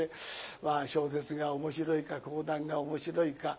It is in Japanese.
まあ小説が面白いか講談が面白いか